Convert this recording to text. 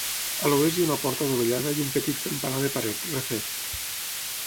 A l'oest hi ha una porta adovellada i un petit campanar de paret, refet.